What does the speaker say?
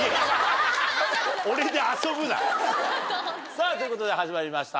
さぁということで始まりました。